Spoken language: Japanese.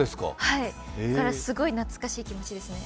だからすごい懐かしい気持ちですね。